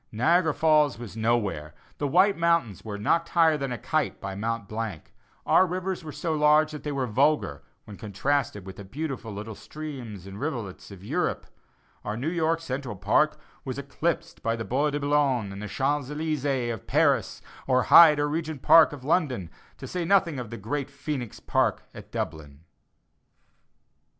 Niagara Falls was nowhere; the White Mountains were "knocked higher than a kite" by Mont Blanc; our rivers were so large that they were vulgar, when contrasted with the beautiful little streams and rivulets of Europe; our New York Central Park was eclipsed by the Bois de Bologne and the Champs Elysées of Paris, or Hyde or Regent Park of London, to say nothing of the great Phœnix Park at Dublin.